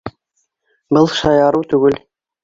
Был шаярыу түгел.